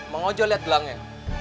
bang ojo liat gelangnya